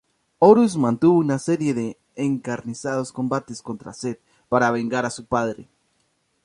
Horus mantuvo una serie de encarnizados combates contra Seth, para vengar a su padre.